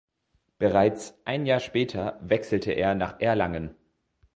Bereits ein Jahr später wechselte er nach Erlangen.